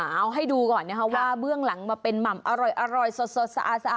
เอาให้ดูก่อนนะคะว่าเบื้องหลังมาเป็นหม่ำอร่อยสดสะอาด